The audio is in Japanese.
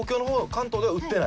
関東では売ってない？